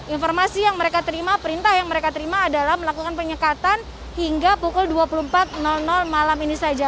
informasi yang mereka terima perintah yang mereka terima adalah melakukan penyekatan hingga pukul dua puluh empat malam ini saja